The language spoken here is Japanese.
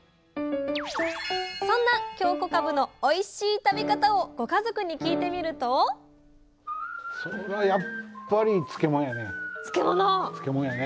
そんな京こかぶのおいしい食べ方をご家族に聞いてみるとそらやっぱり漬物やね。